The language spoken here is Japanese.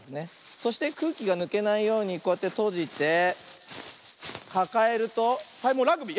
そしてくうきがぬけないようにこうやってとじてかかえるとはいもうラグビー！